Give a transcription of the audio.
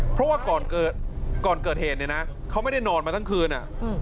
เพราะว่าก่อนเกิดเหตุเนี่ยนะเขาไม่ได้นอนมาทั้งคืน